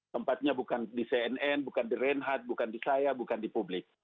tempatnya bukan di cnn bukan di reinhardt bukan di saya bukan di publik